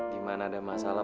dimana ada masalah